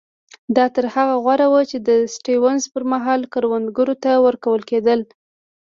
دا تر هغه غوره وو چې د سټیونز پر مهال کروندګرو ته ورکول کېدل.